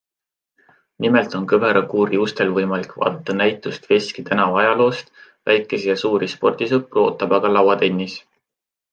Nimelt on kõvera kuuri ustel võimalik vaadata näitust Veski tänava ajaloost, väikesi ja suuri spordisõpru ootab aga lauatennis.